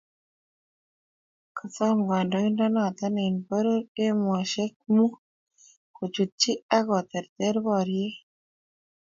kasom kandoindenoto eng poror emoshok muut kochutchi ak keterter poryet